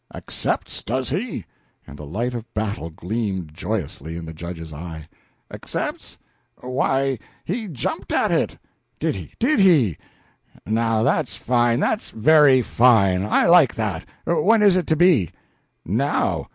"Accepts, does he?" and the light of battle gleamed joyously in the Judge's eye. "Accepts? Why, he jumped at it." "Did, did he? Now that's fine that's very fine. I like that. When is it to be?" "Now!